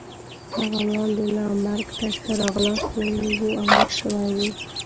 هغه وړاندې لا مرګ ته ښه راغلاست ویلی وو او مړ شوی وو.